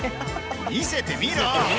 見せてみろ。